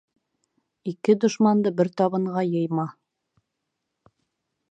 Ике дошманды бер табынға йыйма.